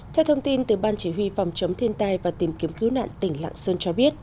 theo thông tin từ ban chỉ huy phòng chống thiên tai và tìm kiếm cứu nạn tỉnh lạng sơn cho biết